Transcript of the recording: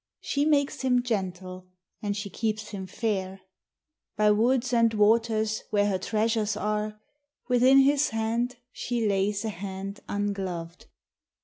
She makes him gentle, and she keeps him fair; By woods and waters where her treasures are Within his hand she lays a hand ungloved.